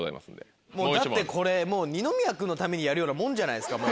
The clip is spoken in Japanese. だってこれもう。にやるようなもんじゃないですか。